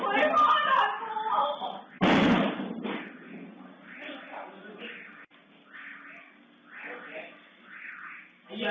เฮ้ยพ่อโดนกลัว